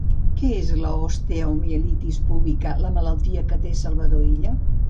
Què és l'osteomielitis púbica, la malaltia que té Salvador Illa?